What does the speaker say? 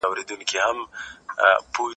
د نورو حقونه مه تر پښو لاندي کوئ.